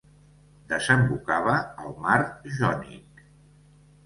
Desembocava al mar Jònic.